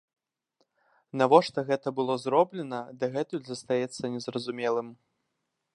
Навошта гэта было зроблена, дагэтуль застаецца незразумелым.